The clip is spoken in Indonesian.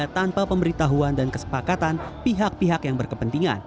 tanpa pemberitahuan dan kesepakatan pihak pihak yang berkepentingan